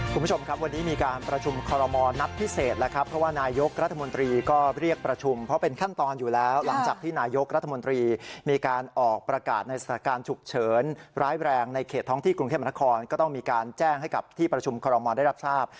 คุณผู้ชมครับวันนี้มีการประชุมคอลโรมอนท์นับพิเศษแล้วครับ